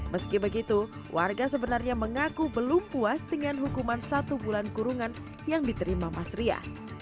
meski begitu warga sebenarnya mengaku belum puas dengan hukuman satu bulan kurungan yang diterima mas ria